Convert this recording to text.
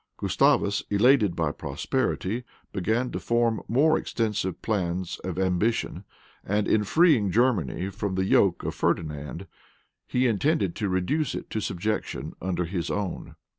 Gustavus, elated by prosperity, began to form more extensive plans of ambition; and in freeing Germany from the yoke of Ferdinand, he intended to reduce it to subjection under his own.